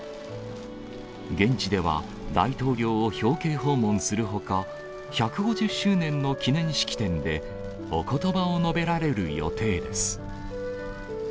現地では大統領を表敬訪問するほか、１５０周年の記念式典で、おことばを述べられる予定です。